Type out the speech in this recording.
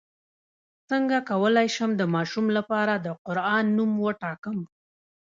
څنګه کولی شم د ماشوم لپاره د قران نوم وټاکم